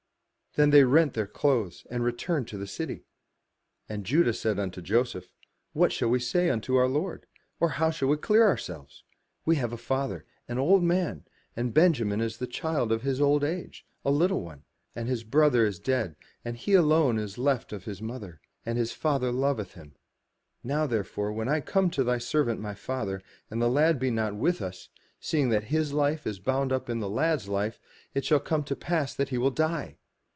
Then they rent their clothes and returned to the city. And Judah said unto Joseph, "What shall we say unto our 298 FROM THE TOWER WINDOW lord? or how shall we clear ourselves? We have a father, an old man, and Benjamin is the child of his old age, a Uttle one; and his brother is dead, and he alone is left of his mother, and his father loveth him. Now therefore when I come to thy servant my father, and the lad be not with us, seeing that his life is bound up in the lad*s life, it shall come to pass that he will die.